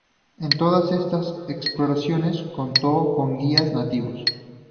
En todas estas exploraciones contó con guías nativos.